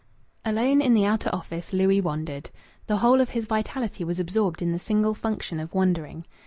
Alone in the outer office Louis wondered. The whole of his vitality was absorbed in the single function of wondering.